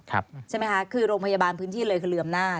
ใช่ไหมคะคือโรงพยาบาลพื้นที่เลยคือเรืออำนาจ